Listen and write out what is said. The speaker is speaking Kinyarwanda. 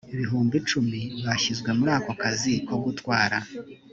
bihumbi icumi bashyizwe muri ako kazi ko gutwara